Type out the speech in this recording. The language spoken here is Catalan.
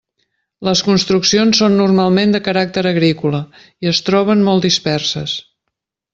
Les construccions són normalment de caràcter agrícola i es troben molt disperses.